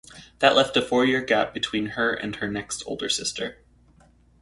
That left a four-year gap between her and her next older sister.